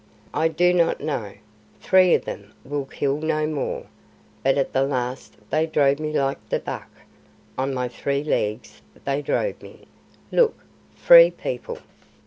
"I do not know. Three of them will kill no more, but at the last they drove me like the buck; on my three legs they drove me. Look, Free People!"